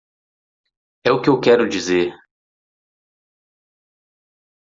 É o que eu quero dizer.